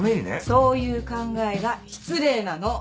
そういう考えが失礼なの！